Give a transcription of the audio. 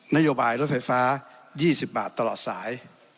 นโยบายรถไฟฟ้า๒๐บาทตลอดสาย